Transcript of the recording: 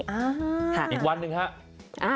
อีกวันหนึ่งค่ะ